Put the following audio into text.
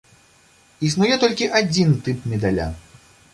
Існуе толькі адзін тып медаля.